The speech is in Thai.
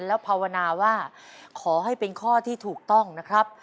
แล้วภาวนาว่าขอให้เป็นข้อที่ถูกต้องนะครับ